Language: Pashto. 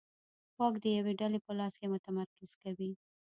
واک د یوې ډلې په لاس کې متمرکز کوي.